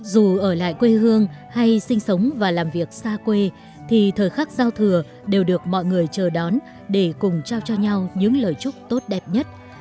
dù ở lại quê hương hay sinh sống và làm việc xa quê thì thời khắc giao thừa đều được mọi người chờ đón để cùng trao cho nhau những lời chúc tốt đẹp nhất